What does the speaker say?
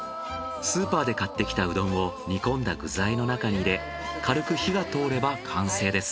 スーパーで買ってきたうどんを煮込んだ具材の中に入れ軽く火が通れば完成です。